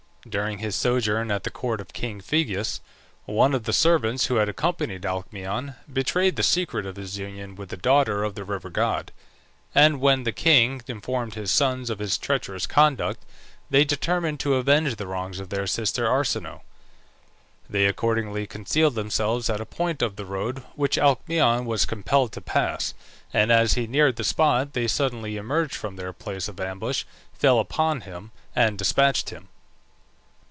During his sojourn at the court of king Phegeus, one of the servants who had accompanied Alcmaeon betrayed the secret of his union with the daughter of the river god; and when the king informed his sons of his treacherous conduct, they determined to avenge the wrongs of their sister Arsinoe. They accordingly concealed themselves at a point of the road which Alcmaeon was compelled to pass, and as he neared the spot they suddenly emerged from their place of ambush, fell upon him and despatched him.